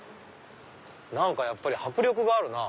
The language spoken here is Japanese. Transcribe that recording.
やっぱり迫力があるなぁ。